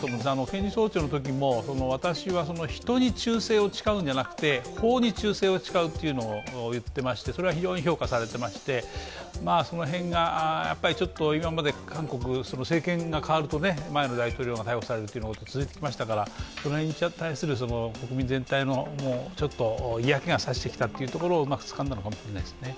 検事総長のときも、私は人に忠誠を誓うのではなくて法に忠誠を誓うと言っていましてそれは非常に評価されていまして、その辺が今まで韓国、政権が代わると前の大統領が逮捕されるというのが続きましたから、その辺に対する国民全体の嫌気が差してきたところをうまくつかんだのかもしれないですね。